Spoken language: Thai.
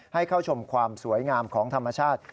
ให้เข้าชมความสวยงามของธรรมชาติ